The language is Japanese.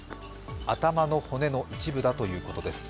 頭の骨の一部だということです。